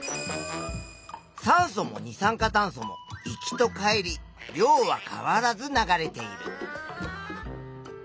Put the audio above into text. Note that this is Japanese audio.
酸素も二酸化炭素も行きと帰り量は変わらず流れている。